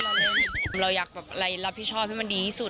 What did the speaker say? เราอยากอะไรรับผิดชอบให้มันดีที่สุด